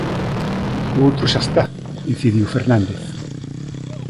O outro xa está, incidiu Fernández.